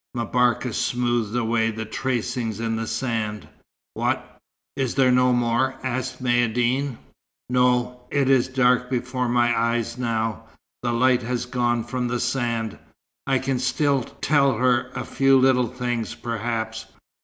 M'Barka smoothed away the tracings in the sand. "What is there no more?" asked Maïeddine. "No, it is dark before my eyes now. The light has gone from the sand. I can still tell her a few little things, perhaps.